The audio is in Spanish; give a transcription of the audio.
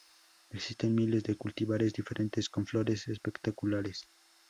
Existen miles de cultivares diferentes, con flores espectaculares.